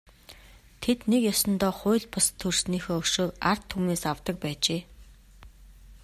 Тэд нэг ёсондоо хууль бус төрснийхөө өшөөг ард түмнээс авдаг байжээ.